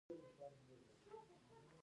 حق ویل ترخه دي